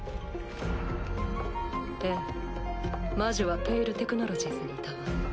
ええ魔女は「ペイル・テクノロジーズ」にいたわ。